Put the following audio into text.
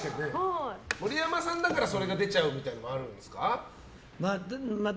森山さんだからそれが出ちゃうのもあるんですか。